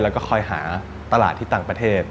แล้วก็คอยหาตลาดที่ต่างประเทศ